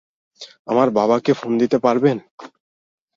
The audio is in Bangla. আমার বাবাকে ফোন দিতে পারবেন?